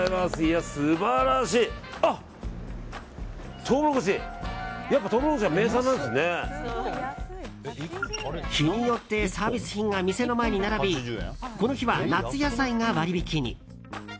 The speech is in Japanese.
やっぱトウモロコシは日によってサービス品が店の前に並びこの日は夏野菜が割引に。